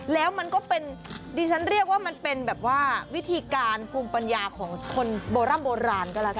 แล้วมันก็เป็นดิฉันเรียกว่ามันเป็นแบบว่าวิธีการภูมิปัญญาของคนโบร่ำโบราณก็แล้วกัน